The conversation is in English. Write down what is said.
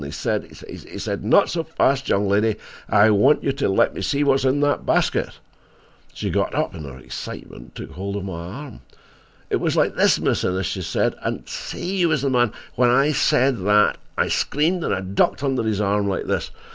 He said—he said—'Not so fast, young lady; I want you to let me see what's in that basket.'" She got up in her excitement and took hold of my arm. "It was like this, Miss Innes," she said, "and say you was the man. When he said that, I screamed and ducked under his arm like this.